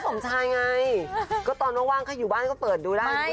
สมชายไงก็ตอนว่างใครอยู่บ้านก็เปิดดูได้